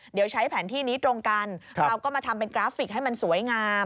เดี๋ยวใช้แผนที่นี้ตรงกันเราก็มาทำเป็นกราฟิกให้มันสวยงาม